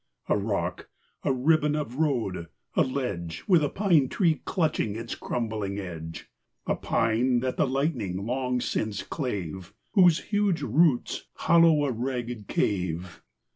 A rock, a ribbon of road, a ledge, With a pine tree clutching its crumbling edge. A pine, that the lightning long since clave, Whose huge roots hollow a ragged cave.